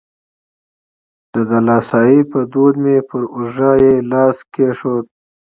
د دلاسایي په دود مې پر اوږه یې لاس کېښود.